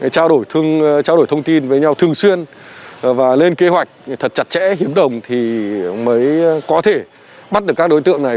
trao đổi thông tin với nhau thường xuyên và lên kế hoạch thật chặt chẽ hiếm đồng thì mới có thể bắt được các đối tượng này